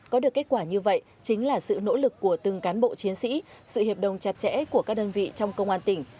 có được kết quả như vậy chính là sự nỗ lực của từng cán bộ chiến sĩ sự hiệp đồng chặt chẽ của các đơn vị trong công an tỉnh